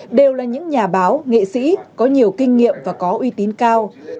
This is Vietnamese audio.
nhưng mà những nhà báo nghệ sĩ có nhiều kinh nghiệm và có uy tín cao